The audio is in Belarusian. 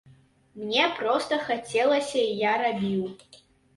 Мне проста хацелася, і я рабіў.